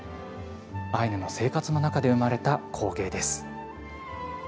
アイヌの生活の中で生まれた光景です。